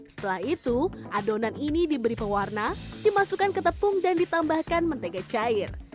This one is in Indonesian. setelah itu adonan ini diberi pewarna dimasukkan ke tepung dan ditambahkan mentega cair